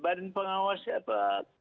badan pengawas apa